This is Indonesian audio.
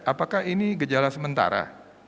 apakah ini gejala sementara